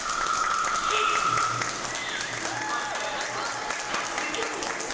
し静岡以外まったく出てこんぞ